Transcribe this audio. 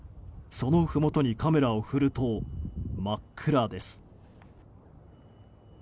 そのふもとにカメラを振ると真っ暗です。